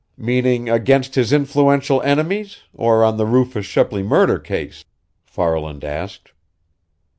"Meaning against his influential enemies, or on the Rufus Shepley murder case?" Farland asked.